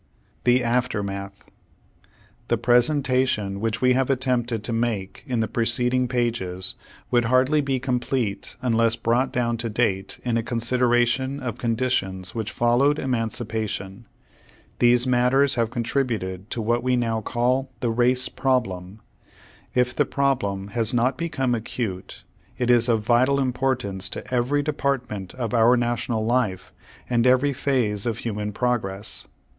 THE AFTERMATH The presentation which we have attempted to make in the preceding pages, would hardly be complete unless brought down to date, in a con sideration of conditions which followed emancipa tion. These matters have contributed to what we now call the "race problem." If the problem has not become acute, it is of vital importance to every department of our national life, and every phase of human progress.